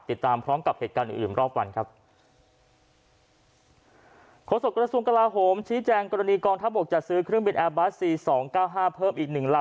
ติดตามพร้อมกับเหตุการณ์อื่นอื่นรอบวันครับโฆษกระทรวงกราหมชี้แจงกรณีกองทัพบกจะซื้อเครื่องบินแอร์บัสสี่สองเก้าห้าเพิ่มอีกหนึ่งลำ